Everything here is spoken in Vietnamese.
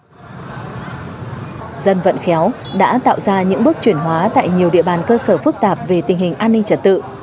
công tác dân vận khéo đã tạo ra những bước chuyển hóa tại nhiều địa bàn cơ sở phức tạp về tình hình an ninh trả tự